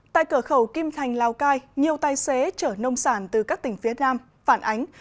tại cửa khẩu kim thành lào cai nhiều tài xế chở nông sản từ các tỉnh phía nam phản ánh